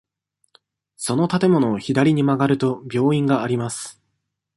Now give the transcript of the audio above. その建物を左に曲がると、病院があります。